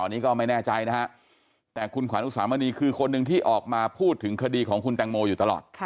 อันนี้ก็ไม่แน่ใจนะฮะแต่คุณขวัญอุสามณีคือคนหนึ่งที่ออกมาพูดถึงคดีของคุณแตงโมอยู่ตลอด